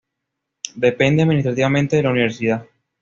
Depende administrativamente de la universidad.